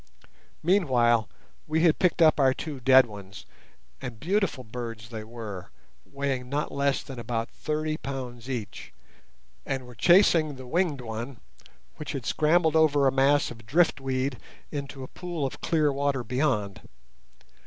Meanwhile we had picked up our two dead ones, and beautiful birds they were, weighing not less than about thirty pounds each, and were chasing the winged one, which had scrambled over a mass of driftweed into a pool of clear water beyond.